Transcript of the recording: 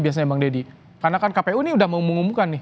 biasanya bang deddy karena kan kpu ini udah mau mengumumkan nih